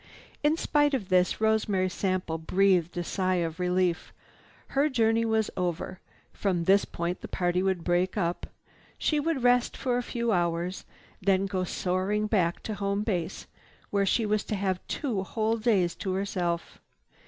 In spite of this, Rosemary Sample breathed a sigh of relief. Her journey was over. From this point the party would break up. She would rest for a few hours, then go soaring back to home base where she was to have two whole days to herself.